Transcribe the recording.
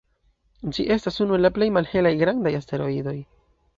Ĝi estas unu el plej malhelaj grandaj asteroidoj.